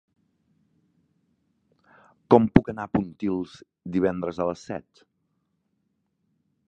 Com puc anar a Pontils divendres a les set?